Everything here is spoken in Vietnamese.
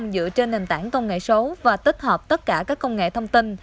dựa trên nền tảng công nghệ số và tích hợp tất cả các công nghệ thông tin